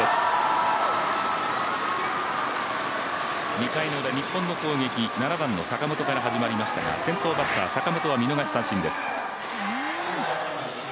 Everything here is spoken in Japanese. ２回のウラの日本の攻撃、７番の坂本から始まりましたが先頭バッター坂本は見逃し三振です。